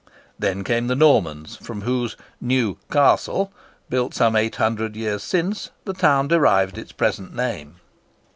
Then came the Normans, from whose New Castle, built some eight hundred years since, the town derived its present name.